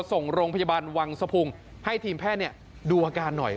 ส่งโรงพยาบาลวังสะพุงให้ทีมแพทย์ดูอาการหน่อย